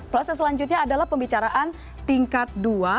proses selanjutnya adalah pembicaraan tingkat dua